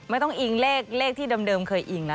ไม่ต้องอิงเลขที่เดิมเคยอิงนะ